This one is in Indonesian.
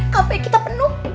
kafe kita penuh